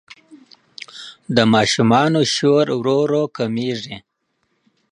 د ماشومانو شور ورو ورو کمېږي.